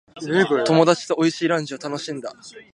友達と美味しいランチを楽しんだ。